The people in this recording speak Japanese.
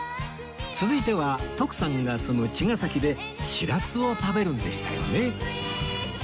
続いては徳さんが住む茅ヶ崎でしらすを食べるんでしたよね